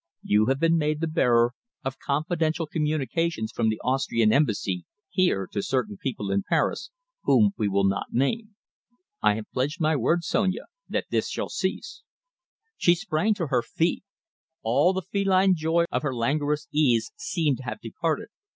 You have been made the bearer of confidential communications from the Austrian Embassy here to certain people in Paris whom we will not name. I have pledged my word, Sonia, that this shall cease." She sprang to her feet. All the feline joy of her languorous ease seemed to have departed.